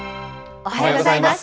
おはようございます。